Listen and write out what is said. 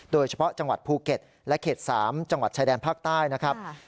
โดยเฉพาะจังหวัดภูเก็ตและเขต๓จังหวัดชายแดนภาคใต้นะครับ